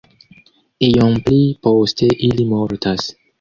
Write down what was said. Iom pli poste ili mortas.